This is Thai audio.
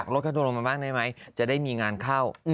ลดค่าตัวลงมาบ้างได้ไหมจะได้มีงานเข้า